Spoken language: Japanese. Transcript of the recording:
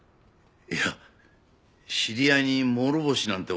いや知り合いに諸星なんて